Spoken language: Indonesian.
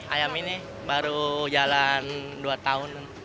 ayam ini baru jalan dua tahun